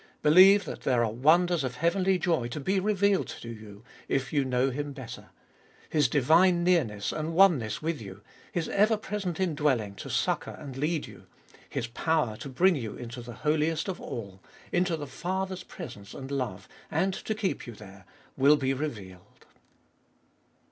Believe that there are wonders of heavenly joy to be revealed to you If you know Him better: His divine nearness and oneness with you, Hia ever present indwelling to succour and lead you, His power to bring you into the Holiest of All, Into the Father's presence and hue, and to keep you there, will be 'revealed.